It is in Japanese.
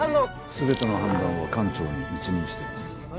全ての判断は艦長に一任しています。